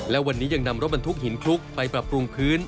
และวันนี้ยังนำรถบรรทุกหินคลุกไปปรับปรุงพื้น